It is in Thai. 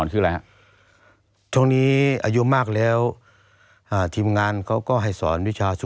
เรื่องราวของครูหมีเนี่ยเริ่มต้นมาจากครูหมี